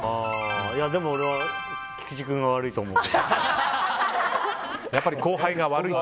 でも、俺は菊池君が悪いと思う。